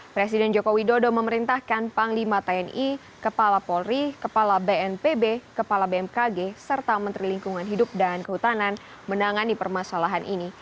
presiden joko widodo memerintahkan panglima tni kepala polri kepala bnpb kepala bmkg serta menteri lingkungan hidup dan kehutanan menangani permasalahan ini